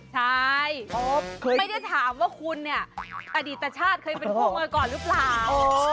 ใช่ไม่ได้ถามว่าคุณเนี่ยอดีตชาติเคยเป็นคู่มาก่อนหรือเปล่า